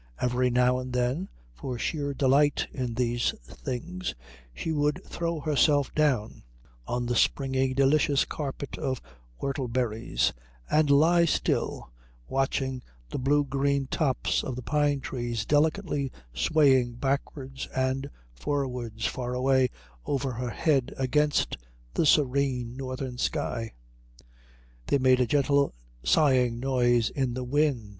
Every now and then, for sheer delight in these things, she would throw herself down on the springy delicious carpet of whortleberries and lie still watching the blue green tops of the pine trees delicately swaying backwards and forwards far away over her head against the serene northern sky. They made a gentle sighing noise in the wind.